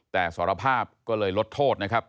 แต่สารภาพก็เลยลดโทษนะครับ